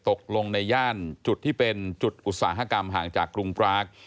ตกลงในย่านจุดที่เป็นจุดอุตสาธารณ์หากกลางจากรุงปรากษ์